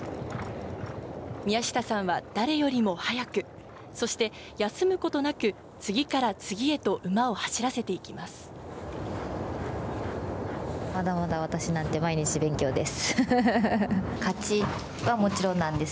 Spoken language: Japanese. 宮下さんは誰よりも早く、そして休むことなく、次から次へと馬を走らせていきます。